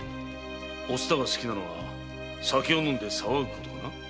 お蔦が好きなのは酒を飲んで騒ぐことかな？